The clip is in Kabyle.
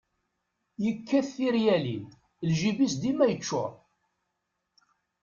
Yekkat tiryalin, lǧib-is dima yeččur.